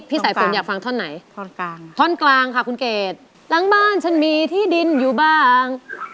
สายฝนอยากฟังท่อนไหนท่อนกลางท่อนกลางค่ะคุณเกดหลังบ้านฉันมีที่ดินอยู่บ้าง